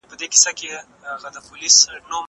زه کولای سم مکتب ته لاړ شم!!